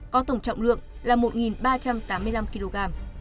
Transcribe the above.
có tổng trọng lượng là một ba trăm tám mươi năm kg